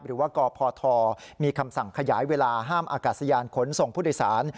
หรือว่ากพทมีคำสั่งขยายเวลาห้ามอากาศยานขนส่งผู้โดยสาร